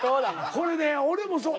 これね俺もそう！